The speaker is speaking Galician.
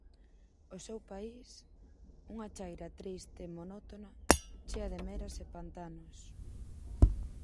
O seu país −unha chaira triste e monótona, chea de meras e pantanos